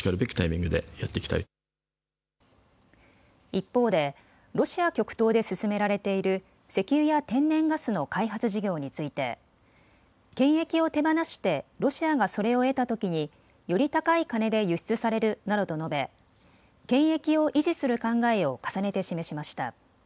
一方でロシア極東で進められている石油や天然ガスの開発事業について権益を手放してロシアがそれを得たときにより高い金で輸出されるなどと述べ権益を維持する考えを重ねて示しました。